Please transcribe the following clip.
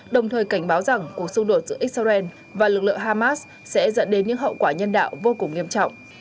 đồng thời cảnh báo rằng cuộc xung đột giữa israel và lực lượng hamas sẽ dẫn đến những hậu quả nhân đạo vô cùng nghiêm trọng